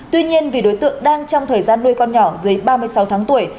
tuy nhiên vì đối tượng đang trong thời gian nuôi con nhỏ dưới ba mươi sáu tháng tuổi